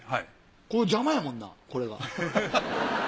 邪魔やもんなこれが。